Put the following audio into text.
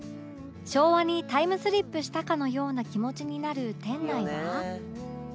昭和にタイムスリップしたかのような気持ちになる店内は